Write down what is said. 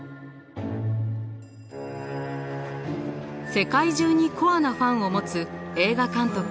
世界中にコアなファンを持つ映画監督